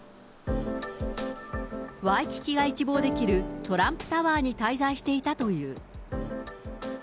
ワイキキが一望できるトランプタワーに滞在していたという。